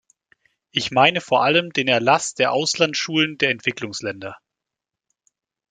Ich meine vor allem den Erlass der Auslandsschulden der Entwicklungsländer.